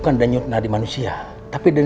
kami tidak butuh orang munafik seperti kamu